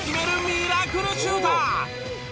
ミラクルシューター！